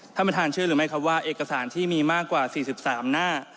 ท่านประธานเชื่อหรือไม่ครับว่าเอกสารที่มีมากกว่า๔๓หน้า